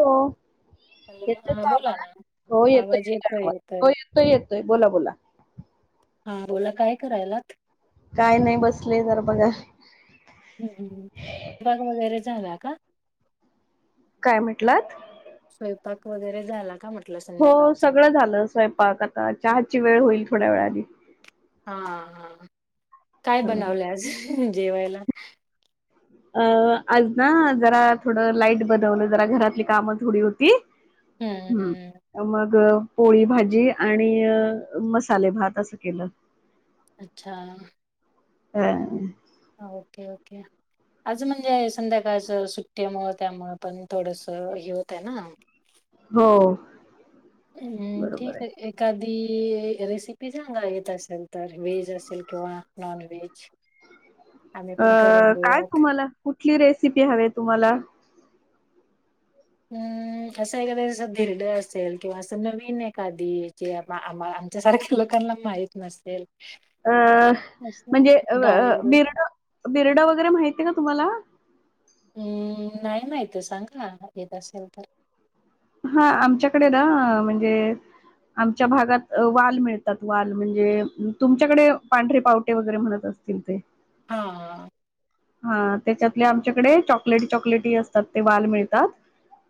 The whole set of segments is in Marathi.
हो हॅलो येतो हा तो बोला आवाज ना हो येतो आवाज येतो येतोय आवाज येतोय हो येतो ये त बोला बोला. हा बोला काय करायलात? काय नाही बसले तर बघा. हम्म ग वगैरे झाला का? काय म्हंटलात? स्वयंपाक वगैरे झाला का? हो संध्याकाळचा सगळं झालं स्वयंपाक. आता चहाची वेळ होईल थोड्या वेळानी. हा हा काय हा. बनवलं आज जेवायला? अ आज ना जरा थोडं लाईट बनवलं जरा घरातली कामं थोडी होती. हम्म मग पोळी, भाजी आणि अ मसाले भात असं केलं. अच्छा. हा. Okay okay! आज म्हणजे संध्याकाळचं सुट्टी मुळं त्यामुळ पण थोडस हे होतय ना. हो. हम ठीक! आहे एखादी रेसिपी सांगा येत असेल, तर व्हेज असेल किंवा नॉनव्हेज? अ काय तुम्हाला कुठली रेसिपी हवीये तुम्हाला? हम. असं एखाद कसं बिर्ड असेल, किंवा असं नवीन एखादी जी आमा -आमच्या सारख्या लोकांना माहित नसेल. अ असं म्हणजे अ डाळ अ वगैरे? बिर्ड बिर्ड वगैरे माहिती ये का तुम्हाला? हम नाही माहिती सांगा येत असेल तर. हा आमच्याकडे ना म्हणजे आमच्या भागात वाल मिळतात, वाल म्हणजे तुमच्याकडे पांढरे पावटे वगैरे म्हणत असतील तील ते. हा. हा त्याच्यातले आमच्याकडे चॉकलेटी चॉकलेटी असतात ते वाल मिळतात.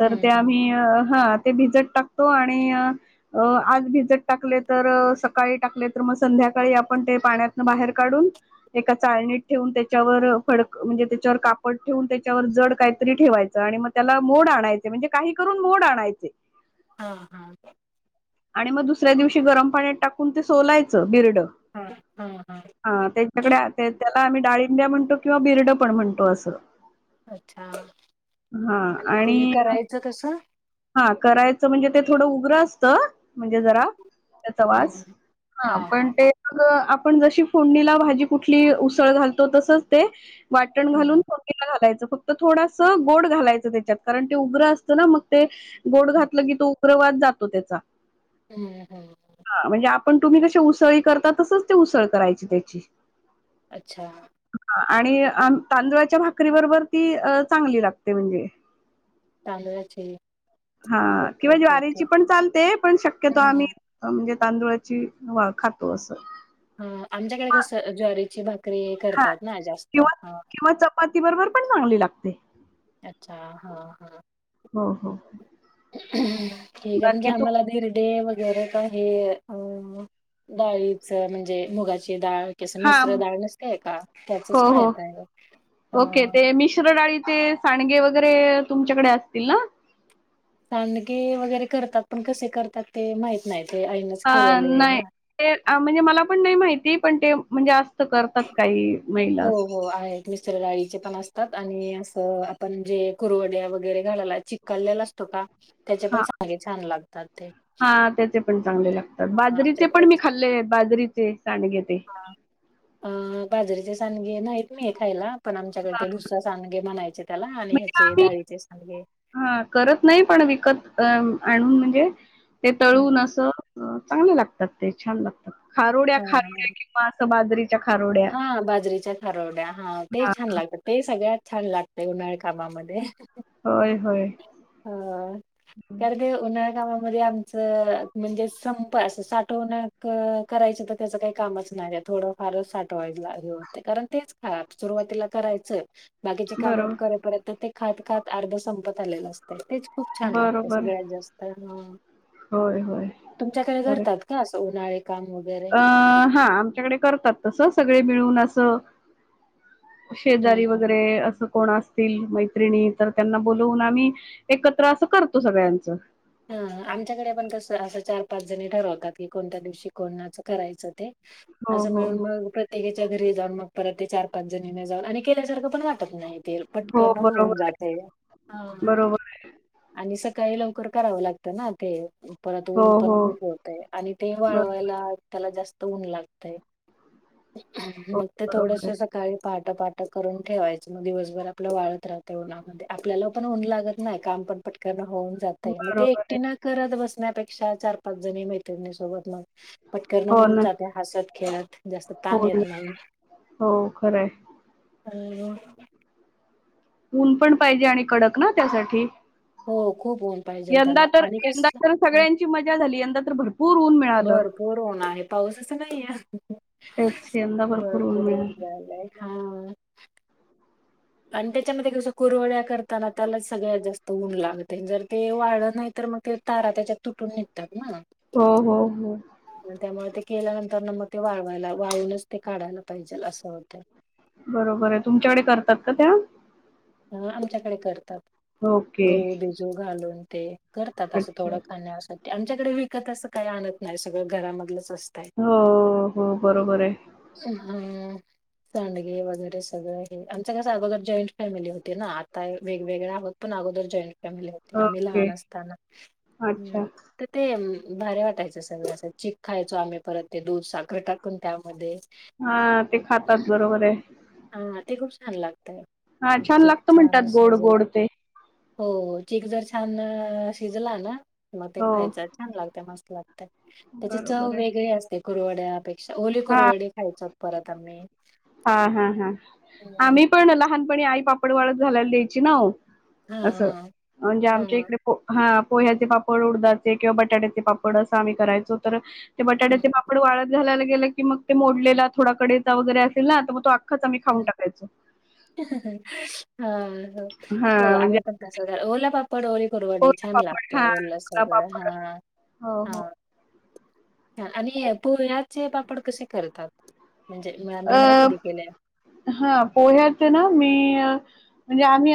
तर हं, ते हं. आम्ही हा ते भिजत टाक टाकतो, आणि अ आज भिजत टाकले तर सकाळी टाकले तर मग संध्याकाळी आपण ते पाण्यातन बाहेर काढून एका चाळणीत ठेवून त्याच्यावर फडकं म्हणजे त्याच्यावर कापड ठेवून त्याच्यावर जड काहीतरी ठेवायचं, आणि मग त्याला मोड आणायचं म्हणजे काही कर मोड आणायचे. हा हा. आणि मग दुसऱ्या दिवशी गरम पाण्यात टाकून ते सोलायचं. बिर्ड हां. हां, हां. हा त्याच्याकडे त्याला आम्ही डाळिंब्या म्हणतो, किंवा बिर्ड पण म्हणतो असं. अच्छा! आणि ते करायचं कसं? हा, करायचं म्हणजे ते थोडं उग्र असतं. म्हणजे जरा त्याचा हं, वास हं. हा हां, हां. पण ते मग आप पण जशी फोडणीला भाजी कुठली उसळ घालतो, तसचं ते वाटण हं, घालून फोडणीला घालायचं, फक्त थोडसं गोड घालायचं त्याच्यात कारण ते उग्रं असतं ना ते गोड घातलं की, तो उग्रवास जातो त्याचा. हम हम. पण तुम्ही कसे उसळी करता, तसच ते उसळ करायची त्याची. अच्छा! आणि तांदुळाच्या भाकरी बरोबर ती चांगली लागते म्हणजे तांदळाची हा ओके किंवा ठीक आहे. ज्वारीची पण चालते, पण शक्यतो हं, आम्ही हं. म्हणजे तांदुळाची वा खातो असं. हा, आमच्याकडे किंवा कसं ज्वारीची भाकरी हा करतात ना, जास्त हा. ही पण चांगली लागते. अच्छा! हा हा. हो हो. ठीक आहे, म्हणजे बाकी तू आम्हाला बिर्डे [unintelligible] का हे अ डाळीच म्हणजे मुगाची डाळ कस हा मिश्र डाळ नसतेय का? हो त्याचच हो. माहित आहे ओके ह. मिश्र डाळीचे ते सांडगे वगैरे तुमच्याकडे असतील ना? सांडगे वगैरे करतात, पण कसे करतात ते माहित नाही. ते आईनेच अ केलेले आहे नाही. ना. ते म्हणजे मला पण नाही माहिती, पण ते म्हणजे जास्त करतात काही. महिला हो असं. हो, आहे मिश्र डाळीचे पण असतात, आणि असं आपण जे कुरवड्या वगैरे घालायला चिक काढलेला असतो का? त्याचे पण हा चांगे छान लागत हा त्याचे पण चांगले लागतात हा बाजरीचे पण मी आमच्या खाल्ले बाजरीचे सांड घ ते अ बाजरीचे सांडगे नाहीत मी आहे खायला पण आमच्याकडे हा, ते भुससा सांगे म्हनायचे म्हणजे आम्ही हा करत नाही पण विकत अ आणून म्हणजे ते हम्म तळून हम्म. असं चांगलं लागतात ते छान लागतात खारोड्या हा खारोड्या किंवा असं बाज हा बाजरीच्या खरवड्या हा ते छान लागतात ते सगळ्यात छान लागतय उन्हाळ कामामध्ये होय होय हा करते काम आच म्हणजे संप साठव करायच तर त्याच काही कामच नाही थोडं फारच साठवाय कारण तेच हा सुरुवातीला करायचंय बाकीचे काम बरोबर करय परत तर ते खात खात अर्ध संपत आलेलं असत तेच खूप छान लागते बरोबर सगळ्यात जास्त ह होय होय तुमच्याकडे खरं करतात का अस अ हा आमच्याकडे करतात तसं सगळे मिळून असं हम्म शेजारी हम्म. वगैरे असं कोण असतील मैत्रिणी तर त्यांना बोलवून आम्ही एकत्र असं करतो सगळ्यांचं हा आमच्याकडे आपण कसं असं चार पाच जणी ठरवतात की कोणत्या दिवशी कोणाच करायचं ते हो असं हो मिळून हो मग प्रत्येकीच्या घरी जाऊन मग परत ते चार पाच जणीने जाऊन आणि केल्यासारखं पण वाटत त नाही हो पटकन होऊन बरोबर आहे जाते ह बरोबर आहे आणि सकाळी लवकर करावं लागतं ना ते परत हो ऊन पण हो खूप होतय आणि ते बरोबर वाळवायला त्याला जास्त ऊन लागतय हो मग ते बरोबर थोडस आहे अस काळी पाट पाठ करून ठेवायचं मग दिवसभर आपलं वाळत राहते उन्हामध्ये आपल्याला पण ऊन लागत नाही काम पण पटकन होऊन जातय मग ते बरोबर आहे. एकटी ना करत बसण्यापेक्षा चार पाच जणी माहितनी सोबत मग पटकरणं हो होऊन ना. जाते हसत खेळत जास्त ताण येत नाही खर आहे हल् ऊन पण पाहिजे आणि कडक ना त्यासाठी हो खूप ऊन पाहिजेल यंदा त्याला तर आणि यंदा कस तर सगळ्यांची मजा झाली यंदा तर भरती भरपूर होणार आहे पाऊसच नाही आहे तेच यंदा ऊन भरपूर होन मिळालं. झालाय हा आणि त्याच्यामध्ये कस कुरवड्या करताना त्याला सगळ्यात जास्त ऊन लागते जर ते वाढ नाही मग ते तारा त्याच्यात तुटून निघतात ना हो हो हो त्यामुळे ते केल्यानंतर ना मग ते वाळवायला वाळूनच ते काढायला पाहिजे असं होतं बरोबर आहे तुमच्याकडे करतात का त्या अ आमच्याकडे करतात ओके. गहू बिजू घालून ते करतात असं अच्छा. थोडं खाण्यासाठी आमच्याकडे विकत असं काही आणत नाही सगळं घरामधलं हो हो बरोबर आहे हा सांडगे वगैरे सगळं हे आमचं कसं सगळं अगोदर जॉईंट फॅमिली होती ना आता वेगवेगळे आहोत पण अगोदर जॉईंट हो आम्ही ओके. लहान असताना अच्छा. तर ते भारी वाटायचं सगळं असं चीक खायचो आम्ही परत ते दूध साखर टाकून त्यामध्ये हा ते खातात बरोबर आहे हा ते खूप छान लागत हा छान लागत म्हणतात गोड गोड ते हो चीक जर छान शिजला ना मग ते हो, खायच छान लागतंय मस्त! लागतयं, त्याची चव बरोबर आहे. वेगळी असते कुरवड्या पेक्षा [unintelligible] हां. कुरवडी खायचात परत आम्ही हा हा हा हम्म. आम्ही पण लहानपणी आई पापड वाळत घालायला द्यायची ना. हा असं हा म्हणजे हा आमच्या इकडे हा पोह्याचे पापड उडदाचे किंवा बटाट्याचे पापड असं आम्ही करायचो तर ते हम्म, बटाट्याचे पापड वाळत घालायला गेलं, की मग ते मोडलेला थोडा कडे वगैरे असेल ना म तो आम्ही स्वतः मी खाऊन हम्म. टाकायचे. ह हो हो, आम्ही पण तस करायचो ओला पाप पडवळी कुरवडी पोहे छान पापड लागतंय, ओल हा सगळं पापड हा हो हो हा. आणि पोह्याचे पापड कसे करतात? म्हणजे म मी अ नाही कधी केले. हा पोह्यात ना मी अ. म्हणजे आम्ही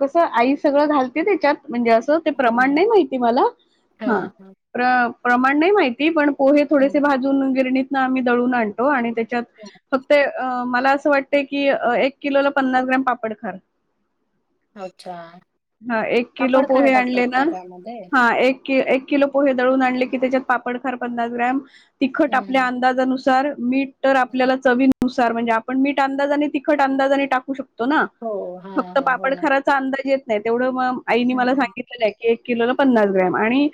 कसं आई सगळं घालते त्याच्यात म्हणजे असं ते हम्म. प्रमाण नाही माहिती मला, हा प्रमाण नाही माहिती पण पोहे थोडेसे हम्म. भाजून गिरणीतन आम्ही दळून आणतो, आणि त्याच्यात फक्त मला असं वाटत की एक किलोला पन्नास ग्राम पापड खार अच्छा! हा एक किलो पापड खार टाकतात का त्यामध्ये? की एक किलो पोहे दळून आणले की, त्याच्यात पापड खार पन्नास ग्रॅम तिखट हम्म आपल्या हम्म. अंदाजानुसार मीठ तर हम्म. आपल्याला चवीनुसार म्हणजे, आपण मीठ अंदाजाने तिखट अंदाजाने टाकू शकतो. ना हो हा फक्त हा हो ना. पापडखाराचा अंदाज येत नाही, तेवढं म आईनी मला हम्म. सांगितलेलं आहे की एक किलोला पन्नास ग्रॅम आणि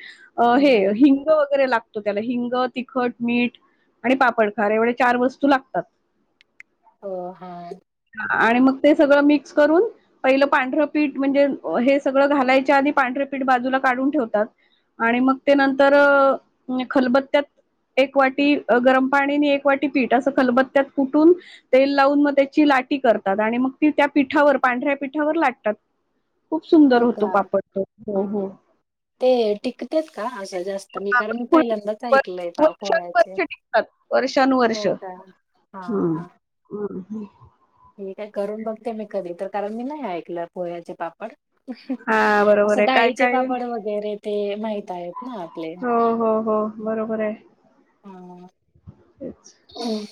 हे हम्म हिंग वगैरे लागतं. त्याला हिंग, तिखट, मीठ आणि पापडखार एवढ्या चार वस्तू लागतात. हो, हा. आणि मग ते सगळं मिक्स करून पहिलं पांढरं पीठ म्हणजे हे सगळं घालायच्या आधी पांढरे पीठ बाजूला काढून ठेवतात, आणि हम्म. मग ते नंतर खलबत्त्यात एक वाटी गरम पाणी आणि एक वाटी पीठ खलबत्त्यात कुटून तेल लावून मग त्याची लाटी करतात, आणि मग ती त्या पिठावर पांढऱ्या पिठ पिठावर लाटतात खूप सुंदर हो होतो, का पापड तो हो हा. हो. ते टिकट्यात का असं जास्त मी कारण, मी पहिल्यांदाच ऐकलंय बा पोह्याचे वर्षानुवर्ष टिकतात वर्षानुवर्ष. हो का हा हा. हम. ठीक आहे करून बघते मी कधी तर, कारण मी नाही ऐकलं पोह्याचे पापड. हा बरोबर असं आहे काय डाळीचे काय पापड वगैरे ते माहित आहेत, ना आपले हो हो हो, बरोबर आहे. [inaudible] तेच हम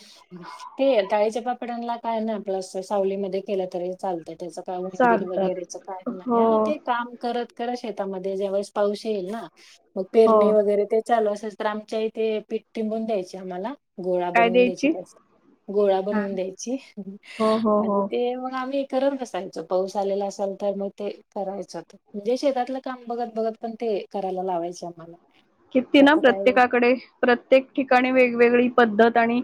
ते डाळीच्या पापडांना काय नाही आपलं, सावली मध्ये केलं तरी चालत. त्याच काय ऊन बिन चालतात वगैरेच काय नाही, हो हा ते काम करत करत शेतामध्ये ज्यावेळेस पाऊस येईल ना, मग हो पेरणी वगैरे ते चालू असेल तर, आमच्या इथे पीठ टिंबून द्यायचे आम्हाला. गोळा बनवून द्यायची त्याचं गोळा हा बनवून द्यायची हो हो आणि हो ते मग आम्ही करत बसायच पाऊस आलेला असेल तर, मग ते करायचं म्हणजे शेतातलं काम बघत बघत पण ते ते करायला लावायच आम्हाला. किती त्याच ना काय प्रत्येका कडे प्रत्येक ठिकाणी वेगवेगळी पद्धत आणि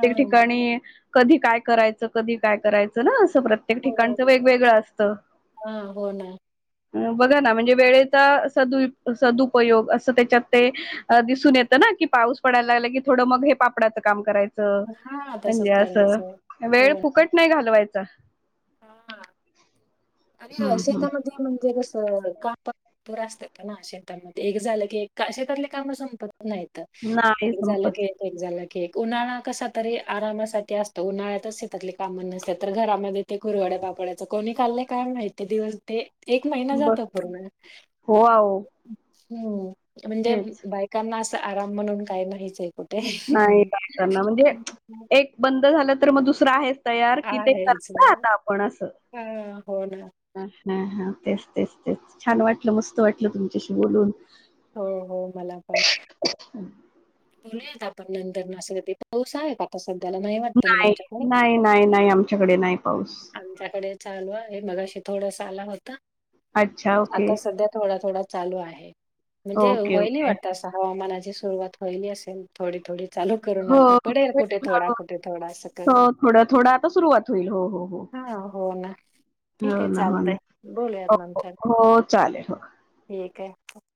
हा ठिकाणी कधी काय करायचं कधी काय करायचं ना असं? प्रत्येक हो ठिकाणच वेगवेगळं असत. हा हो ना बघा ना म्हणजे, वेळेचा सद -सदुपयोग असं त्याच्यात ते दिसून येतं ना की, पाऊस पडायला लागला कि थोड मग हे पापडचं काम करायचं. हा तसंच म्हणजे, असं करायचंय वेळ हो फुकट नाही घालवायचा. हा. आणि हम्म हम्म शेतामध्ये म्हणजे कसं काम पण भरपूर असतं. [unintelligible] शेतामध्ये एक झालं की शेतातले काम संपत नाहीत नाही एक झालं संपत ग एक झालं उन्हाळा कसा तरी आरामासाठी असतो उन्हाळ्यातच शेतातले कामं नसत्या तर घरामध्ये ते करू वाटत [unintelligible] कोणी खाल्लय काय माहितीय दिवस ते एक महिना ब जात पूर्ण हो आहो म्हणजे तेच बायकांना असं आराम म्हणून काय नाहीचं आहे कु नाहीना बायकांना म्हणजे एक बंद झालं तर मग दुसरं आहेच तयार की ते आहेच करता आता आपण अस हा हो ना ह- ह- ह तेच तेच तेच छान वाटलं मस्त वाटलं तुमच्याशी बोलून हो हो मला पण बोलूयात आपण नंतरं अस कधी पाऊस आहे का आता सध्याला वाटतं ना नाही तुमच्याकडे नाही नाही नाही आमच्याकडे नाही पाऊस आमच्याकडे चालू आहे मघाशी थोडसं आला होत अच्छा ओके आता सध्या थोडा थोडा चालू आहे म्हणजे ओके व्हायली ओके वाटत हवामानाची सुरुवात व्हायली असेल थोडी थोडी चालू करून हो आता पडेल कुठे थोडा कुठे थोडा असं हो करत थोडं थोडं आता सुरुवात होईल हो हो हो हा हो ना ठीक हो आहे ना हो चालतंय बोलूयात ना नंतर हो चालेल हो ठीक आहे